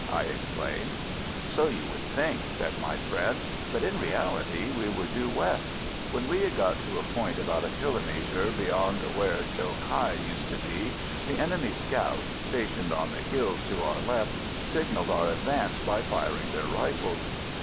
I exclaimed. "So you would think," said my friend; "but in reality we were due west. When we had got to a point about a kilomètre beyond where Cho Kai used to be, the enemy's scouts, stationed on the hills to our left, signalled our advance by firing their rifles.